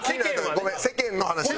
ごめん世間の話や。